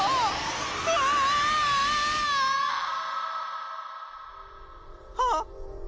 うわ！はっ！